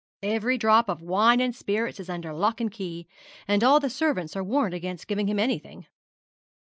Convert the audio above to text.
Every drop of wine and spirits is under lock and key, and all the servants are warned against giving him anything.'